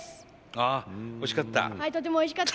ああおいしかった？